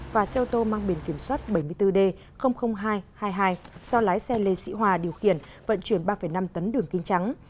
và xe ô tô mang biển kiểm soát bảy mươi bốn d hai trăm hai mươi hai do lái xe lê sĩ hòa điều khiển vận chuyển ba năm tấn đường kinh trắng